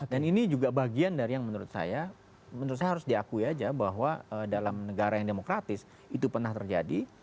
dan ini juga bagian dari yang menurut saya menurut saya harus diakui aja bahwa dalam negara yang demokratis itu pernah terjadi